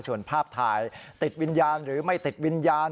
ส่วนภาพถ่ายติดวิญญาณหรือไม่ติดวิญญาณ